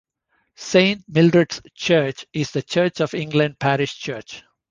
Saint Mildred's Church is the Church of England parish church.